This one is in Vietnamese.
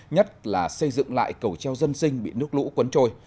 nhất là xây dựng lại cầu treo dân sinh bị nước lũ quấn trôi